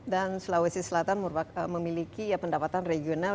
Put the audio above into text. dan sulawesi selatan memiliki pendapatan regional